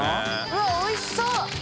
うわおいしそう！